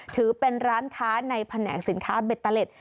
ถือเป็นร้านค้าในแผนกสินค้าเบตเตอร์เล็ต